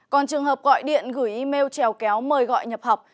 còn trường hợp gọi điện gửi email trèo kéo mời gọi nhập học